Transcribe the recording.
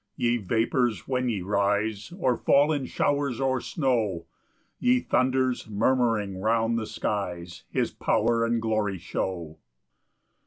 4 Ye vapours, when ye rise, Or fall in showers, or snow, Ye thunders, murmuring round the skies, His power and glory show.